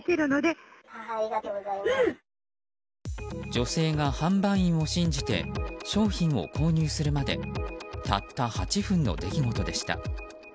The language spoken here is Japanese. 女性が販売員を信じて商品を購入するまでたった８分の出来事でした。